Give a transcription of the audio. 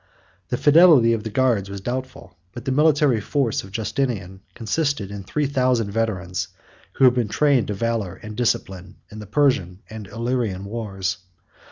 The fidelity of the guards was doubtful; but the military force of Justinian consisted in three thousand veterans, who had been trained to valor and discipline in the Persian and Illyrian wars.